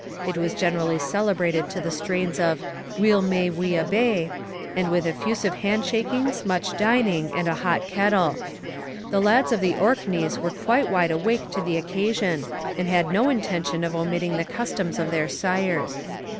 It was generally celebrated to the strains of 'Weel may we a' be,' and with effusive handshakings, much dining, and a hot kettle. The lads from the Orkneys were quite wide awake to the occasion and had no intention of omitting the customs of their sires.